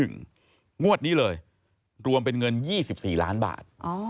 งวดนี้เลยรวมเป็นเงิน๒๔ล้านบาท